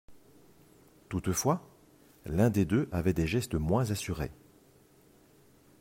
Toutefois, l’un des deux avait des gestes moins assurés.